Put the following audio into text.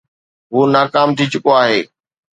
هو ناڪام ٿي چڪو آهي.